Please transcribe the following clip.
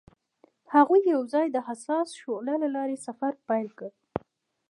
هغوی یوځای د حساس شعله له لارې سفر پیل کړ.